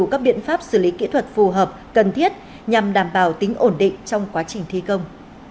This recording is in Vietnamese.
các biện pháp xử lý kỹ thuật phù hợp cần thiết nhằm đảm bảo tính ổn định trong quá trình thi công